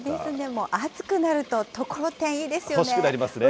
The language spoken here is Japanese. もう暑くなるとところてん、いいですよね。